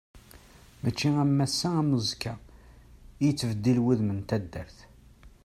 Mačči am ass-a am uzekka i yettbeddil wudem n taddart.